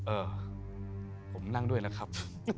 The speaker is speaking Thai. เอ่อผมนั่งด้วยนะครับ